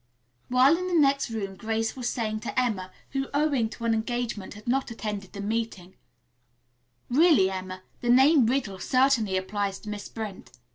While in the next room Grace was saying to Emma, who, owing to an engagement, had not attended the meeting, "Really, Emma, the name 'Riddle' certainly applies to Miss Brent.